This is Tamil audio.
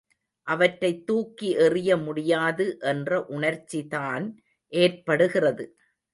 அவற்றைத் தூக்கி எறிய முடியாது என்ற உணர்ச்சிதான் ஏற்படுகிறது.